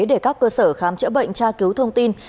để các cơ sở khám chữa bệnh tra cứu thông tin